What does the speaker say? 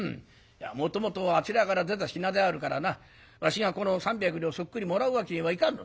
もともとはあちらから出た品であるからなわしがこの三百両をそっくりもらうわけにはいかんのだ。